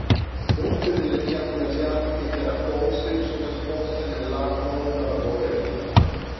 Molte delle piante asiatiche che raccolse sono esposte nell'Arnold Arboretum.